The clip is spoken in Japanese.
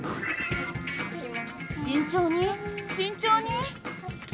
慎重に慎重に。